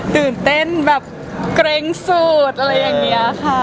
ตื่นเต้นแบบเกร็งสุดอะไรอย่างนี้ค่ะ